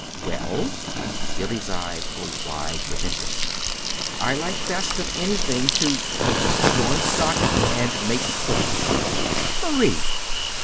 "Well?" Billy's eyes were wide with interest. "I like best of anything to darn stockings and make puddings." "Marie!"